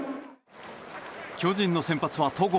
巨人の先発は戸郷。